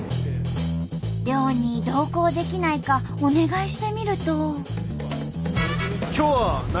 漁に同行できないかお願いしてみると。